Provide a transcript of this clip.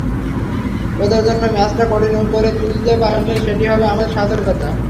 ওদের জন্য ম্যাচটা কঠিন করে তুলতে পারলে সেটিই হবে আমাদের সার্থকতা।